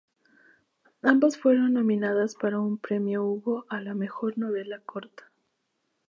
Ambas fueron nominadas para un premio Hugo a la mejor novela corta.